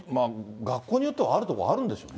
学校によってはあるところはあるんでしょうね。